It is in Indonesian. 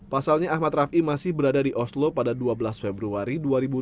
pasalnya ahmad rafi masih berada di oslo pada dua belas februari dua ribu dua puluh